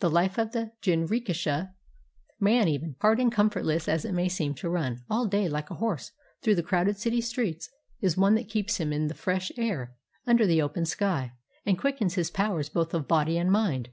The life of the jinrikisha man even, hard and comfortless as it may seem to run all day like a horse through the crowded city streets, is one that keeps him in the fresh air, under the open sky, and quickens his powers both of body and mind.